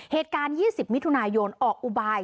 เหตุการณ์๒๐มิถุนายนออกอุบาย